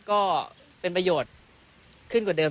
ก็เป็นประโยชน์ขึ้นกว่าเดิม